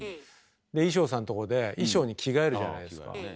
で衣装さんとこで衣装に着替えるじゃないですか。